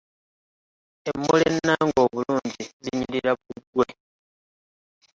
Emmuli ennange obulungi zinyiriza bbugwe.